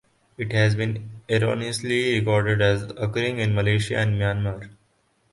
It has been erroneously recorded as occurring in Malaysia and Myanmar.